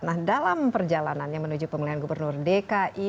nah dalam perjalanannya menuju pemilihan gubernur dki